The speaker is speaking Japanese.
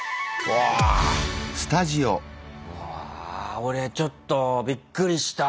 わあ俺ちょっとびっくりした！